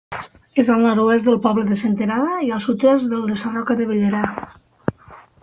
És al nord-oest del poble de Senterada i al sud-est del de Sarroca de Bellera.